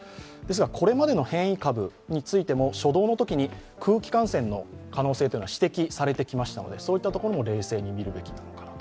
これまでの変異株のときも初動の際に空気感染が指摘されていましたのでそういったところも冷静に見るべきかなと。